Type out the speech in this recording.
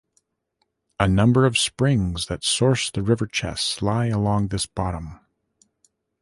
A number of springs that source the River Chess lie along this bottom.